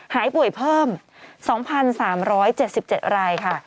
หายป่วยเพิ่ม๒๓๗๗รายค่ะ